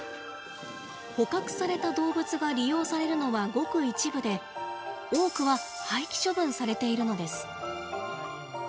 捕獲された動物が利用されるのは、ごく一部で多くは廃棄処分されているのです。